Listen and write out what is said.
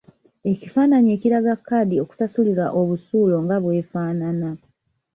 Ekifaananyi ekiraga kkaadi okusasulirwa obusuulu nga bw'efaanana.